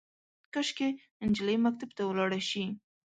کاشکي، نجلۍ مکتب ته ولاړه شي